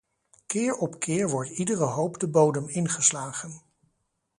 Keer op keer wordt iedere hoop de bodem ingeslagen.